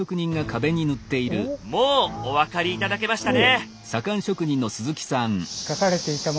もうお分かり頂けましたね。